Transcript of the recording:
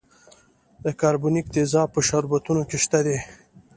د کاربونیک تیزاب په شربتونو کې شته دی.